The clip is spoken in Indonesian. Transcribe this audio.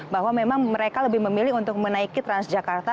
bahwa memang mereka lebih memilih untuk menaiki transjakarta